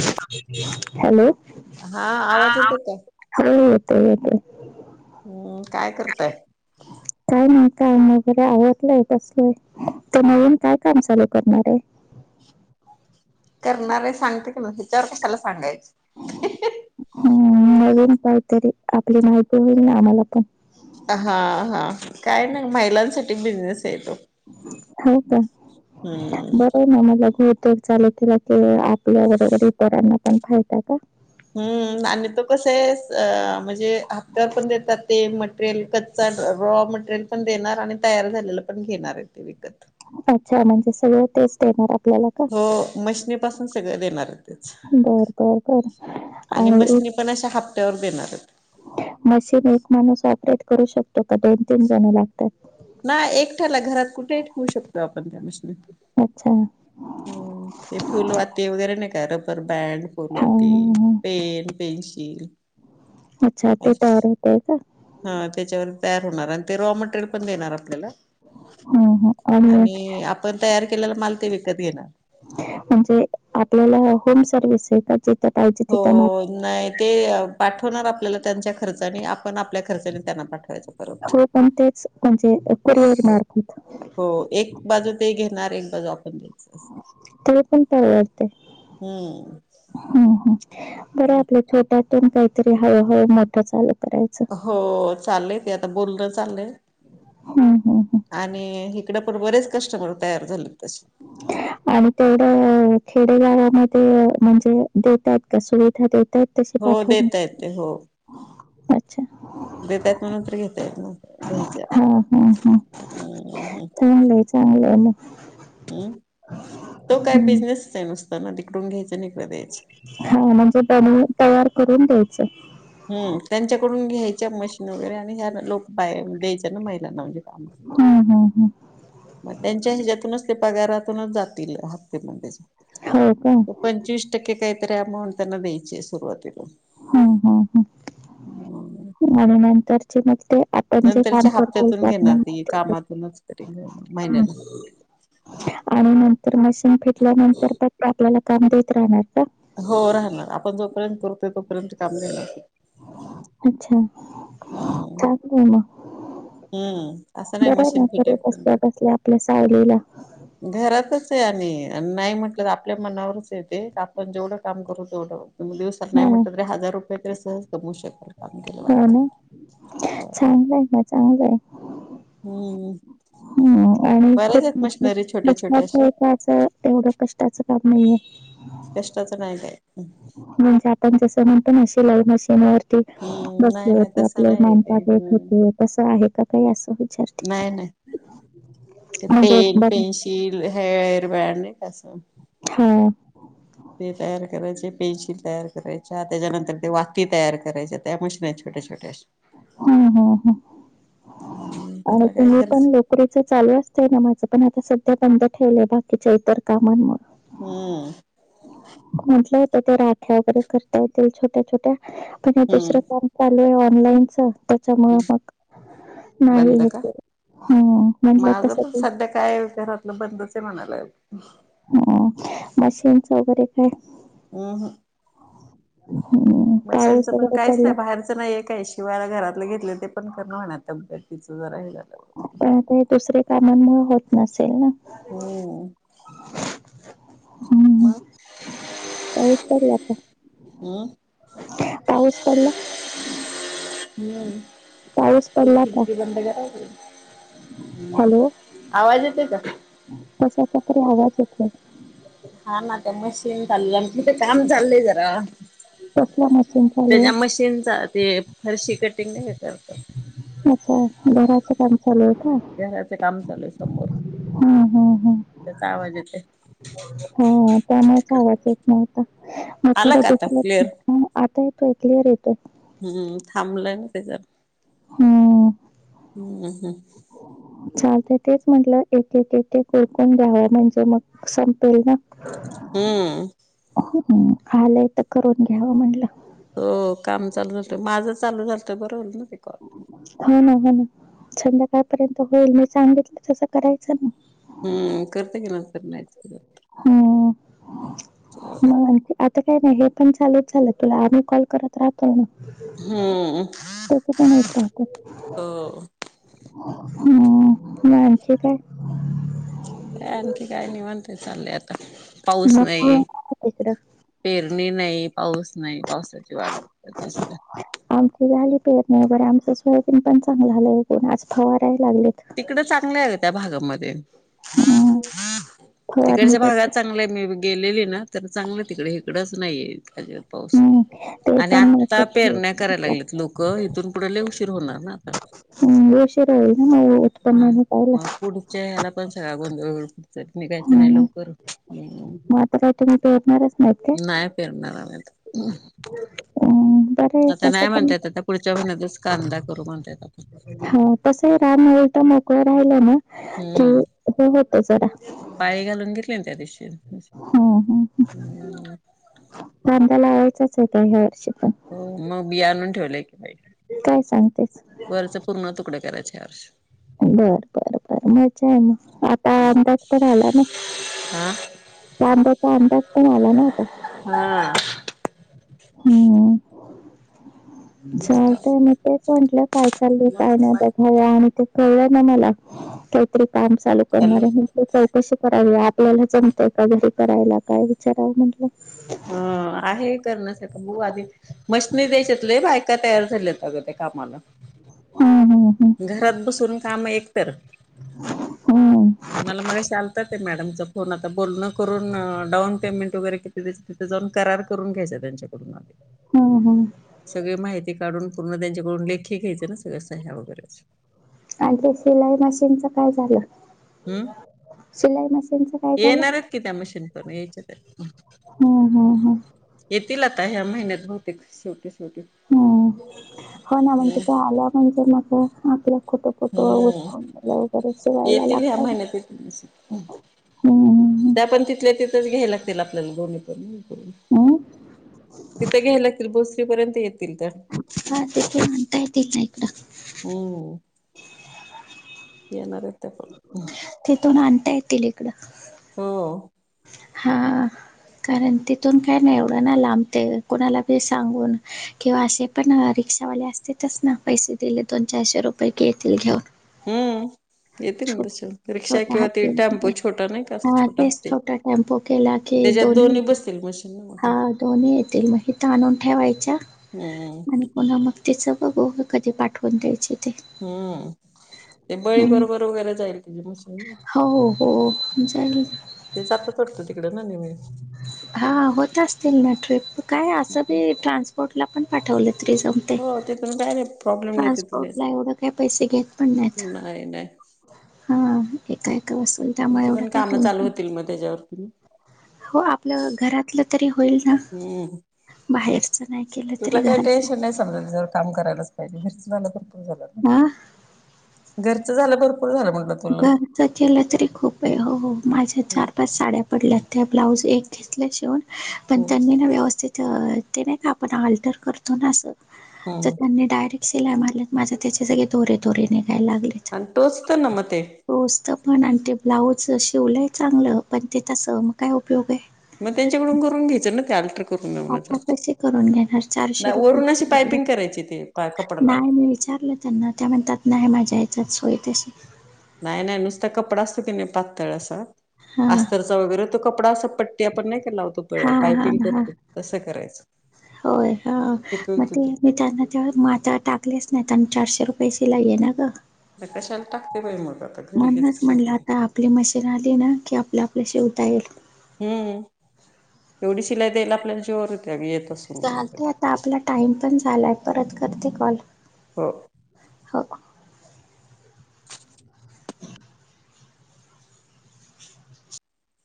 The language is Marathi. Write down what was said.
येत [inaudible] हॅलो. हा हां येतो आवाज काय येतोय का? हां. येतोय, येतोय. हम्, काय करताय? काय नाही, काय नाही. जरा आवरलंय. बसलोय. ते नवीन काय, काम चालू करणारय? करणारय सांगते की, मग. हेच्यावर कशाला, सांगायचं? हम, नवीन काहीतरी. आपली माहिती होईल ना, आम्हाला पण. हा हा काय नाही महिलांसाठी बिझनेस ये तो हो का हम्म बरं ना मला [unintelligible] तर चालू केलेतर आपल्या बरोबर इतरांना पण फायदा का? हंमम आणि तो कस आहेस आआ म्हणजे हे हप्त्यावर पण देतात ते मटेरियल कच्चा [unintelligible] रॉ मटेरियल पण देणार, आणि तयार झालेलं पण घेणार आहे ते विकत. अच्छा! म्हणजे सगळं तेच देणार आपल्याला का? हो मशनी पासून सगळं देनार आहेत. तेच बर बर बर आणि मशनी पण अशा हप्त्यावर देेणार आहेत. मशीन एक माणूस ऑपरेट करू शकतो, का दोन तीन जण लागतात. नाही एकट्याला, घरात कुठेही ठेवू शकतो आपण त्या मशीनी. अच्छा. हमम, ते फुलवाती वगैरे नाही का, रबर बँड फुलवाती हा, हा. पेन, पेनशील अच्छा, ते तयार होतय का? हां! त्याच्यावर तयार होणार आणि ते रॉ मटेरियल पण देणार आपल्याला. हम्म, हम्म. आणि, आपण तयार केलेला माल ते विकत घेणार. म्हणजे, आपल्याला होम सर्व्हिस आहे का, जिथं पाहिजे हो तिथं नाही, ते पाठवणार आपल्याला त्यांच्या खर्चानी [unintelligible] हो पण तेच, म्हणजे कुरिअर हो मार्फत हो एक बाजू ते घेणार, एक बाजू आपण द्यायचं असं. ते पण परवडतंय. हंममम हंम हं बरं आपल्या छोट्यातून काहीतरी हळूहळू मोठं चालू करायचं. होओओ चाललेय ते आता बोलण चाललंय. हंम हंम हं आणि हिकडं पण बरेच कस्टमर तयार झालेत तसे [unintelligible] आणि तेवढं खेडेगावामध्ये, म्हणजे देतात का सुविधा देत त्यात तशी हो पाठवून, देता येते अच्छा देतायत म्हणून तर घेत हं हं हं चांगलं आहे चांगलं आहे मग हम्, तो काय हम्म. बिझनेसच आहे नुसता ना तिकडून घ्यायचं नि इकडे द्यायचं. हो म्हणजे बनवून तयार करून द्यायचं. हम्, त्यांच्याकडून घ्यायच्या मशीन वगैरे आणि ह्या लोक बायांन द्यायच्या ना महिलांना म्हणजे काम हं हं हं मग त्यांच्या ह्याच्यातूनच ते पगारातूनच जातील हप्त्यामध्येच हो कां? पंचवीस टक्के काहीतरी अमाऊंट त्यांना द्यायचीय सुरुवातीला. हं हं हं आणि नंतर ते मग ते आपण जे काम नंतरच्या करतोय हप्त्यातून ते घेणार ती कामातूनच तरी आपल्या [unintelligible] हं महिन्याला आणि नंतर मशीन फिटल्यानंतर फक्त आपल्याला काम देत राहणार का? हो राहणार, आपण जोपर्यंत करतोय तोपर्यंत काम देणार. अच्छा हम्म का. हम्म असं नाही बर मशीन ना ख फिटेपर्यंत कसल्या कसल्या आपल्या सायलीला. घरातच आहे आणि नाही म्हटलं तर आपल्या मनावरच य ते आपण जेवढं काम करू तेवढं. तुम्ही दिवसात हा नाही हो म्हटलं तरी हजार रुपये तरी सहज कमव शकाल. काम केलं हा ना वाटत चांगलं आहे म चांगलं आहे. हम्म. हम् आणि बऱ्याच खूप आहेत मशनरी छोट्या छोट्या कष्टाच अशा आहे का असं तेवढं कष्टाचं काम नाहीये. कष्टता नाही काय. म्हणजे आ आप जसं म्हणत ना शिलाई मशीिनवर. हम्म नाही बसले नाही होते तसं आपले नाहीये काही मामपाप हम्म हो तस आहे का. काही असं नाही विचारते नाही म्हणजे एक बर की हे हर पडणे कसम. हा. ते तयार करायचे पेन्सिल तयार करायच्या त्याच्यानंतर ते वाती तयार करायच्या त्या मशीिनत छोट्या छोट्या. हम ह हम्म, आणि त्याला काय तुम्ही पण खर्च लक री चालू असतय ना माझं पण आता सध्या बंद ठेवलंय बाकीच्या इतर कामांमुळे. हम्म. म्हंटलं होतं ते राठ्या वगैरे करता येतील छोट्या छोट्या. पण दुसरं हम्म फॉम चालू आहे ऑनलाईनच. त्याच्यामुळे मग बंद का नाहीेत म्हटलं तस ते. कायल घरातलं बंदच आहे म्हणालाल. हो मशीनच वगैरे काय. [unintelligible] हम्म. पाऊस मशीनचं पण वगैरे काहीच पडला नाही बाहेरच. नाही काय शिवायला घरातलं घेतलं ते पण करण म्हबद तिच जरा हे झालं. प ते दुसर कामांमुळे होत नसेल ना. हम्म. मग [inaudible] पाऊस पडला का हम्म पाऊस पडला. हम्म पाऊस त पडला का खिडकी बंद करा. हम्म हॅलो आवाज येते का. कशाचा तरी आवाज येतो. हा ना त्या मशीन चाललेलं तिथं काम चाललंय जरा. कसला मशीन चालू आहे त्याच्या मशीनचा ते फरशी कटिंग नाही करत. अच्छा ब का ल का घराचं काम चालू आहे समोर हम हम्म हम्म. त्याचा आवाज येतोय हा त्यामुळेच आवतेत नव्हता मग थोड आला का आता दुस. क्लिअर ह आता येतोय क्लिअर येतोय. हम्म थांबलंय ना तेच्या. हम्म. हम्म हम्म. चालत तेच म्हटलं एके कोुरकून द्याव म्हणजे मग. संपेल ना. हम्म. हो आलंय तर करून घ्यावं म्हणलं. हो काम चालू झात माझं चालू झालत बरं होल न. हो ना हो ना संध्याकाळपर्यंत होईल मी सांगितलं तसं करायचं ना. हम्म करत की नंतर नाही. हम्म म म्ह. काय नाही हे पण चालूच झालं तुला आम्ही कॉल करत राहतो ना. हम्म त्याच पण य नत हो हम् माख काय? का आणखी काय नाही म्हणते चाललंय आता पाऊस मग तू नाही. येणार का तिकडं पेरणी नाही पाऊस नाही पावसाची वाट बघतात मत आमची झाली पेत नाही बरं आमच स्वयबीन पण चांगलंलंयण आज फवारय लागलेत. तड चांग त्या भागामध्ये हम्म, फवारणी तिकडच्या भाग. करतात. चांगलंय मी गेलेली ना तर चांगलं तिकडे हकडंच नाहीये त्यावर पाऊस हम्म, ते आणि आत्ता तणनाशक पेरण्या करायला फवारतात. लागल्यात लोकं इिथून पुढे लले उशीर होणार ना आता हम् बेशरा आहे. हा मग पुढच्या ह्याला पण सगळा गोंधळ वळ पुढ मी काायचं नाही लवकर हम्म मात्र तुम्ही पोचणारच नाहीत का? नाही पेरणार आम्ही आता आता नाही म्हणता ययेत आता पुढच्या महिन्यातच कांदा करू म्हणता ययेत आपण हा तस आहे राम होल तर मोकळं राहिलं ना. हम्म. हो होत जरा पाळी घालून घेतली त्या दिशी कांदा्या लावायचाच आहे का ह्या वर्षी पण हो मग बिया आणून ठेवलंय की बाई. काय सांगतेस? वरचे पूर्ण तुकडे करायचे या वर्ष बर बर बरं मजा आहे मग आता अंदाज तरण आला ना. हा. त्यांब्याचा अंदाज पण आला ना आता ह. हो. चचाल तर मी तेच म्हंटलं काय चालल पाय ना बघा या आणि ते कळलं ना मला काहीतरी काम चालू हॅलो करणार आहे. चौकशी करावी आपल्याला चमते एका घरी करायला काय विचारावं म्हटलं. ह आहे करण्यास बऊ आधी मशनी द्यायच्यात ल बाय. का तयार झाले अग त्या कामाला हम्म हम्म घरात बसून काम एकत हम्म मला मगा शालतात आहे मॅडमच. कोण आता बोल ना करून डाऊन पेमेंट वगैरे तिथे जाऊन करार करून घ्यायचा त्यांच्याकडूनले हो हो. सगळी माहिती काढून पूर्ण त्यांच्याकडून लेखी घ्यायचं ना सगळ्या सह्या वगैरेच आणि ते सिलाई मशीनच काय झालं. हम्म शिलाई मशीनचं काय झालं येणारच कि त्या मशीन करून यायच्या तर हम् हम हम. येतील आता ह्या महिन्यात बहुतेक शेवटी शेवटी हम् हो ना म्हणजे हम्म त आला म्हणजे माझ आपला खोट हम्म येतील ह्या महिन्यात येतील. [unintelligible] त्या पण तिथल्या तिथच घ्याय लागतील आपल्याला दोनी पण हम्म. हम्म. तिथं घ्यायलागतील भोसरी पर्यंत येत हा तेथे म्हणता येत ना इकडं हम. येणारेत त्या पण तिथून आणता येतील इकडं. हो. हा. कारण तिथून काय नाही एवढं नाय लांब ते कुणाला बी सांगून किंवा असे पण रिक्षावाले असतेतच ना पैसे दिले दोन, चारशे रुपये की येतील घेऊन. हम्म येतील ना छो तशे रिक्षा छोटा किंवा हात ते टेम्पो छोट नाही का हा छोटा तेच हत्ती छोटा टेम्पो केला की दोन [unintelligible] हा दोन्ही येतील म हित आणून ठेवायच्या हम्म आणि पुन्हा मग तेच बघू कधी पाठवून द्यायचे ते. हम्म. ते बळी हम्म. बरोबर वगैरे जाईल तुझी मशीन ना हो हो जाईल. ते जातात वाटतं तिकडे ना नेहमी? हा होत असतील ना ट्रिप काय असं बी ट्रान्सपोर्ट ला पण पाठवलं तरी जम हो तिकडंन डायरेक्ट ट्रान्सपोर्ट ला एवढं काय पैसे घेत पण नायत नाही नाही हा एका, एका वासून तुमची पण कामं चालू होतील मग तेज्यावरती? हो आपल्या घरातलं तरी होईल ना हम्म. बाहेरचं नाही केलं तुला तरी काही घरात टेन्शन नाही समजा जर काम करायलाच पायजे. घरचं झाल तर खूप झाल. आ घरचं झालं भरपूर झालं म्हटल घरच केलं तरी खूप ये. हो हो माझ्या चार, पाच साड्या पडल्यात त्या ब्लाऊज एक घेतल शिवून पण हम्म त्यांनी ना व्यवस्थित तर ते नाही का आपण अल्टर करतो ना अस तर हम्म त्यांनी डायरेक्ट सिलाय मारलेत माझ्या त्याचे सगळे दोरे, दोरे निघाय लागलेत. आणि टोचत ना म ते? तोचत पण आणि ते ब्लाऊज शिवलंय चांगलं, पण ते तसं मग काय उपयोग ये? मग त्यांच्याकडून करून घ्यायच ना ते अल्टर करून मिळवण्याचा आता अर्थ. कसे करून घेणार? चारशे नाही रुपये वरून अशी म् पायपिंग करायची ते पा [unintelligible] कपडा हटलं लावून नाय मी विचारल त्यांना त्या म्हणत्यात न्हाय माझा हेच्यात सोय तशी नाही नाही नुसता कपडा असतो की नाही पातळ असा हां अस्तरचा वगैरे तो कपडा अस पट ट्टी आपण नाही लावतो पळ हां हां पायपिंग हां करतो तसं करायचं. होय हा. म तिथून ते तिथून मी त्यांना ते मा आता टाकलेच नाही त्यांना चारशे रुपये शिलाई ना ग. आता कशाला टाकते बाई मग आता घरी घेत म्हणूनच म्हटलं शिवून घे. आता आपली मशीन आली ना की आपलं आपलं शिवता येईल. हम्म एवढी शिलाई द्यायला आपल्याला जीवावर येतय आग चालते आता आपला टाइम पण झालाय परत करते कॉल. हो. हो